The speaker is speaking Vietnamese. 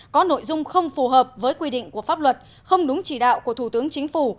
có nội dung không phù hợp với quy định của pháp luật không đúng chỉ đạo của thủ tướng chính phủ